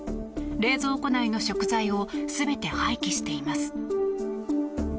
冷蔵庫内の食材を全て廃棄しています。